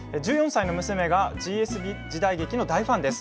１４歳の娘がＢＳ時代劇の大ファンです